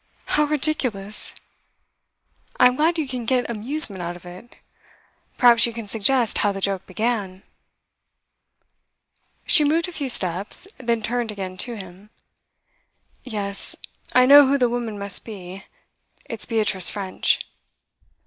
'How ridiculous!' 'I'm glad you can get amusement out of it. Perhaps you can suggest how the joke began?' She moved a few steps, then turned again to him. 'Yes, I know who the woman must be. It's Beatrice French.